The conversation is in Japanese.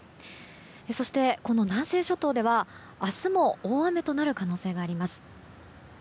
そして、この南西諸島では明日も大雨となる可能性があります。